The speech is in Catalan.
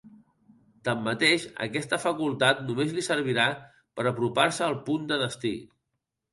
Tanmateix, aquesta facultat només li servirà per apropar-se al punt de destí.